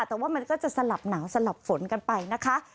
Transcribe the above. แต่ว่ามันก็จะสลับหนาวสลับฝนกันไปนะคะ